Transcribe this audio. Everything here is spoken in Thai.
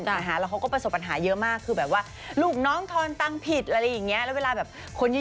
แล้วเขาก็ประสบปัญหาเยอะมากคือแบบว่าลูกน้องทอนตังค์ผิดอะไรอย่างเงี้ยแล้วเวลาแบบคนเยอะ